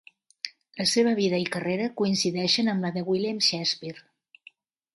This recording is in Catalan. La seva vida i carrera coincideixen amb la de William Shakespeare.